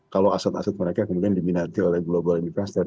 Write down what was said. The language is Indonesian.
kalau aset aset mereka kemudian diminati oleh global investor